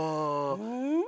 うん？